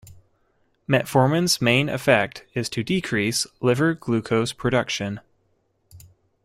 Metformin's main effect is to decrease liver glucose production.